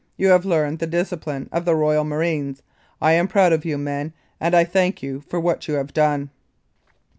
You have learned the discipline of the Royal Marines. I am proud of you, men, and I thank you for what you have done."